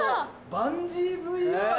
「バンジーＶＲ」？